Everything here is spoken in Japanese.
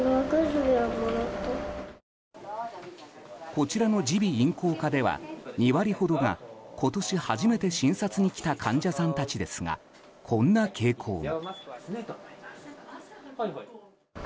こちらの耳鼻咽喉科では２割ほどが今年初めて診察に来た患者さんたちですがこんな傾向も。